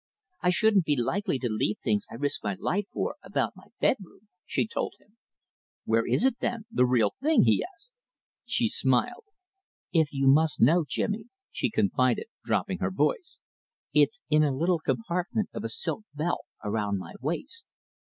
"I shouldn't be likely to leave things I risk my life for about my bedroom," she told him. "Where is it, then the real thing?" he asked. She smiled. "If you must know, Jimmy," she confided, dropping her voice, "it's in a little compartment of a silk belt around my waist.